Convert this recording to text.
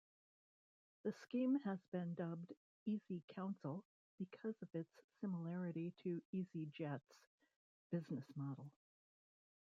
The scheme has been dubbed easyCouncil because of its similarity to EasyJet's business model.